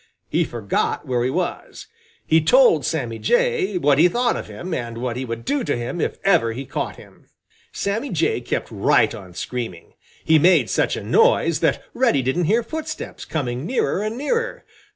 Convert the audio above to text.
He forgot where he was. He told Sammy Jay what he thought of him and what he would do to him if ever he caught him. Sammy Jay kept right on screaming. He made such a noise that Reddy didn't hear footsteps coming nearer and nearer.